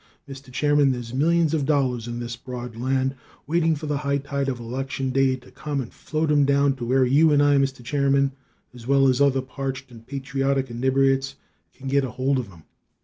"Mr. Chairman, there's millions of dollars in this broad land waiting for the high tide of election day to come and float 'em down to where you and I, Mr. Chairman, as well as other parched and patriotic inebriates, can git a hold of 'em.